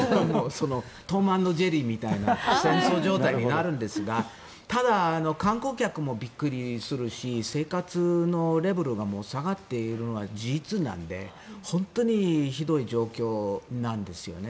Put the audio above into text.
「トム＆ジェリー」みたいな戦争状態になるんですがただ、観光客もびっくりするし生活のレベルが下がっているのは事実なので本当にひどい状況なんですよね。